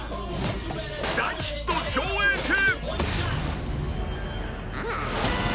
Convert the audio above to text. ［大ヒット上映中！］